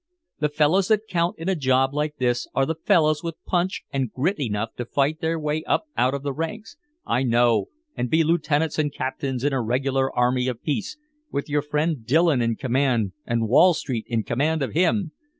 The fellows that count in a job like this are the fellows with punch and grit enough to fight their way up out of the ranks " "I know, and be lieutenants and captains in a regular army of peace, with your friend Dillon in command and Wall Street in command of him!